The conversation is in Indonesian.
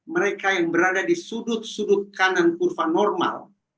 mereka yang berada di sudut sudut kanan kurva normal